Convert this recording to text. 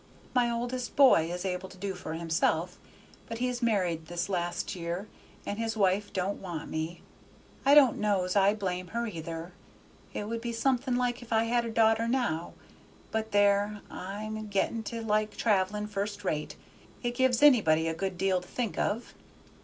My oldest boy is able to do for himself, but he's married this last year, and his wife don't want me. I don't know's I blame her either. It would be something like if I had a daughter now; but there, I'm getting to like travelling first rate; it gives anybody a good deal to think of."